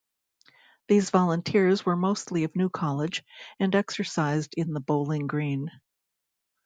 These volunteers were mostly of New College and exercised in the Bowling Green.